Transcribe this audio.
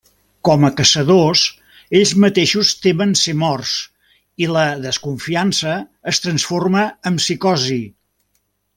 Com a caçadors, ells mateixos temen ser morts, i la desconfiança es transforma en psicosi.